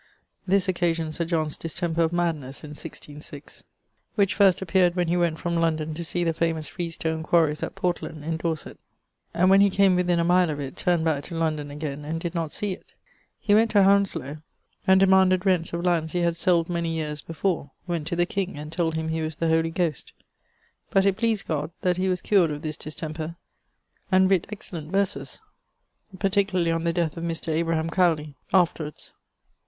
This occasioned Sir John's distemper of madnesse in 166.., which first appeared when he went from London to see the famous free stone quarries at Portland in Dorset, and when he came within a mile of it, turned back to London again, and did not see it. He went to Hownslowe, and demanded rents of lands he had sold many yeares before; went to the king, and told him he was the Holy Ghost. But it pleased God that he was cured of this distemper, and writt excellent verses (particularly on the death of Mr. Abraham Cowley) afterwards.